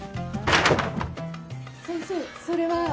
先生それは？